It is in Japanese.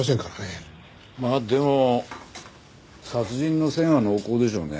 まあでも殺人の線は濃厚でしょうね。